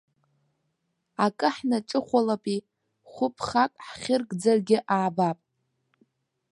Акы ҳнаҿыхәалапи, хәыԥхак ҳхьырыгӡаргьы аабап.